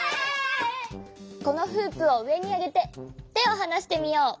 このフープをうえにあげててをはなしてみよう！